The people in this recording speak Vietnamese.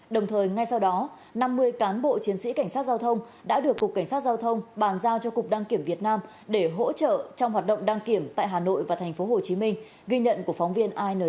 đồng thời ngay sau đó năm mươi cán bộ chiến sĩ cảnh sát giao thông đã được cục cảnh sát giao thông bàn giao cho cục đăng kiểm việt nam để hỗ trợ trong hoạt động đăng kiểm tại hà nội và tp hcm ghi nhận của phóng viên intv